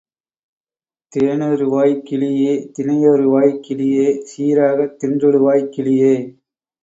தேனொருவாய் கிளியே! திணையொருவாய் கிளியே! சீராகத் தின்றிடுவாய் கிளியே!.